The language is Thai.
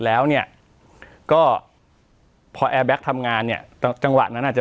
แล้วเนี่ยก็พอแอร์แบ็คทำงานเนี่ยจังหวะนั้นอาจจะ